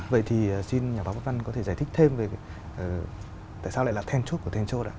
vậy thì xin nhà báo văn có thể giải thích thêm về tại sao lại là then chốt của then chốt ạ